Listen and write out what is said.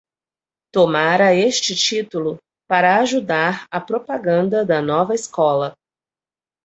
Tomara este título para ajudar a propaganda da nova escola